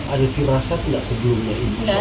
ada firasat tidak sebelumnya